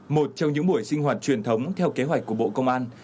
một trong những buổi sinh hoạt truyền thống theo kế hoạch của bộ công an